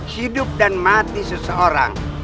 hidup dan mati seseorang